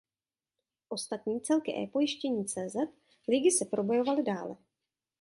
Ostatní celky ePojisteni.cz ligy se probojovaly dále.